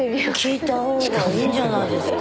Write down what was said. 聞いたほうがいいんじゃないですか？